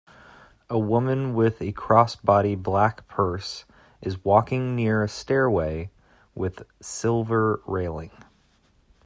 A woman with a crossbody black purse is walking near a stairway with silver railing.